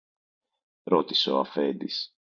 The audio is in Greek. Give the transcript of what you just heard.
ρώτησε ο αφέντης.